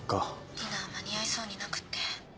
ディナー間に合いそうになくって。